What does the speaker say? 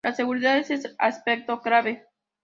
La seguridad es el aspecto clave.